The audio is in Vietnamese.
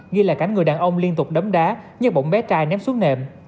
ghi là cảnh người đàn ông liên tục đấm đá như bỗng bé trai ném xuống nệm